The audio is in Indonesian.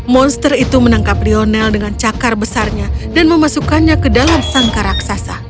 monster itu menangkap lionel dengan cakar besarnya dan memasukkannya ke dalam sangka raksasa